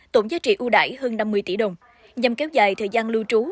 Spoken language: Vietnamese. tổng giá trị ưu đải hơn năm mươi tỷ đồng nhằm kéo dài thời gian lưu trú